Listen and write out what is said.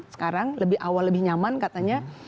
sekarang awal lebih nyaman katanya